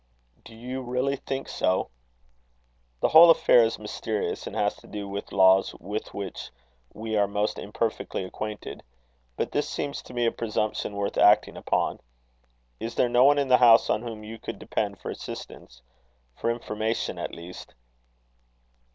"Do you really think so?" "The whole affair is mysterious, and has to do with laws with which we are most imperfectly acquainted; but this seems to me a presumption worth acting upon. Is there no one in the house on whom you could depend for assistance for information, at least?"